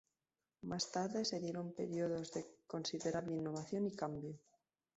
Más tarde se dieron periodos de considerable innovación y cambio.